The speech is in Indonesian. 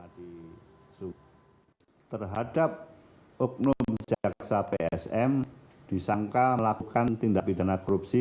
terhadap oknum jaksa psm disangka melakukan tindak pidana korupsi